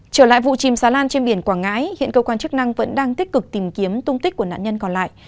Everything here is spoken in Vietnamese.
trở lại vụ chìm xà lan trên biển quảng ngãi hiện cơ quan chức năng vẫn đang tích cực tìm kiếm tung tích của nạn nhân còn lại